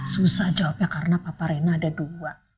susah jawabnya karena papa rena ada dua